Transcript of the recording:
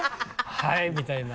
「はい」みたいな。